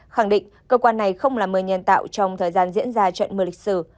khẳng định cơ quan này không là mưa nhân tạo trong thời gian diễn ra trận mưa lịch sử